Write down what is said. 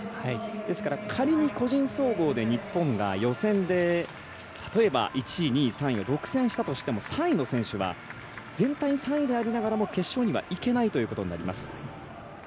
ですから仮に個人総合で日本が予選で例えば１位、２位、３位を独占したとしても３位の選手は全体３位でありながらも決勝にはいけないということになります。